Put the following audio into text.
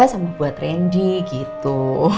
sama buat randy gitu